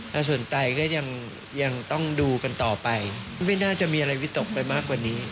ถ้าสนใจก็ยังต้องดูกันต่อไปไม่น่าจะมีอะไรวิตกไปมากกว่านี้